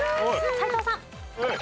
斎藤さん。